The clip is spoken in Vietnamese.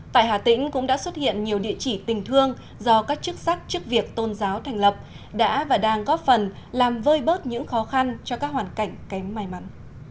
tại hà tĩnh cũng đã xuất hiện nhiều địa chỉ tình thương do các chức sắc chức việc tôn giáo thành lập đã và đang góp phần làm vơi bớt những khó khăn cho các hoàn cảnh kém may mắn